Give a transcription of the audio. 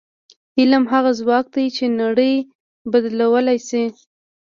علم هغه ځواک دی چې نړۍ بدلولی شي.